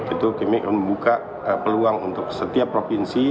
itu kami membuka peluang untuk setiap provinsi